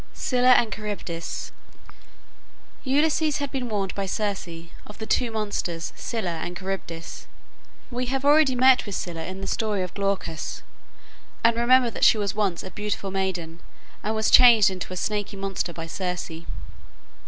SCYLLA AND CHARYBDIS Ulysses had been warned by Circe of the two monsters Scylla and Charybdis. We have already met with Scylla in the story of Glaucus, and remember that she was once a beautiful maiden and was changed into a snaky monster by Circe.